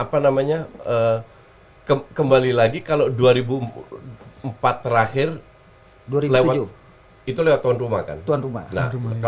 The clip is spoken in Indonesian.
apa namanya eh kembali lagi kalau dua ribu empat terakhir berlewati itu lewat tahun rumah kan tuhan rumah